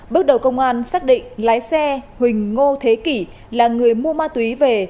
bước đầu công an xác định lái xe huỳnh ngô thế kỷ là người mua ma túy về